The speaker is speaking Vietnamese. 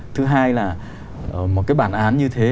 thứ hai là một cái bản án như thế